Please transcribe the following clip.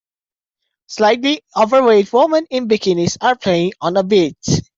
Slightly overweight women in bikinis are playing on a beach.